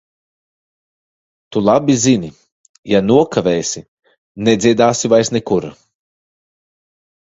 Tu labi zini - ja nokavēsi, nedziedāsi vairs nekur.